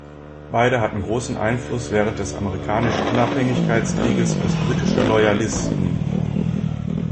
Beide hatten großen Einfluss während des Amerikanischen Unabhängigkeitskrieges als britische Loyalisten.